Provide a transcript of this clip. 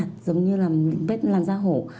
giống như là bếp lan ra hổ